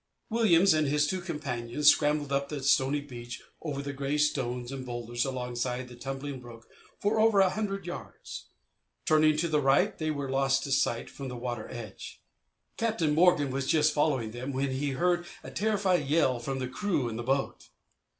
Williams and his two companions scrambled up the stony beach over the grey stones and boulders alongside the tumbling brook for over a hundred yards. Turning to the right they were lost to sight from the water edge. Captain Morgan was just following them when he heard a terrified yell from the crew in the boat.